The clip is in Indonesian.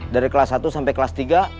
dari kelas satu sampai kelas tiga